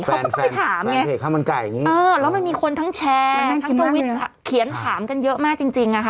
เขาก็ไปถามอย่างนี้เออแล้วมันมีคนทั้งแชร์ทั้งโตวิทย์เขียนถามกันเยอะมากจริงอะค่ะ